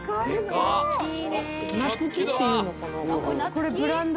夏輝っていうのかな？